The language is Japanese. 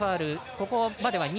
ここまでは２。